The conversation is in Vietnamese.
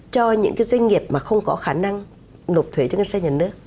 cho những cái doanh nghiệp mà không có khả năng nộp thuế cho ngân sách nhà nước